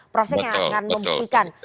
proses yang membuktikan